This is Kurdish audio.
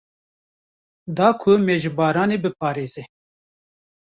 Da ku me ji baranê biparêze.